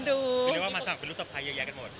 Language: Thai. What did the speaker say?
คือเรียกว่ามาสมัครเป็นลูกสะพ้ายเยอะแยะกันหมด